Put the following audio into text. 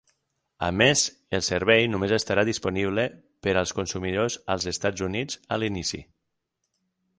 A més, el servei només estarà disponible per als consumidors als Estats Units a l'inici.